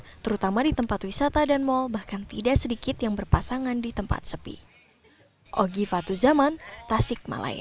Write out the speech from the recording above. terutama di tempat wisata dan mal bahkan tidak sedikit yang berpasangan di tempat sepi